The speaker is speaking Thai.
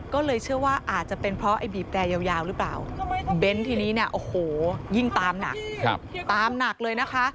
ก็เลยเชื่อว่าอาจจะเป็นเพราะไอ้บีบแดยาวหรือเปล่าเบนท์ทีนี้เนี่ยโอ้โหยิ่งตามหนักตามหนักเลยนะคะ